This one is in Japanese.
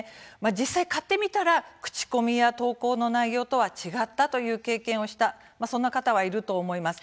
実際買ってみたら口コミや投稿の内容とは違ったという経験をしたそんな方はいると思います。